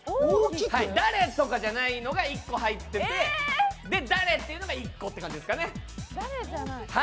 誰とかじゃないのが１個入っててで、誰というのが１個という感じですかね。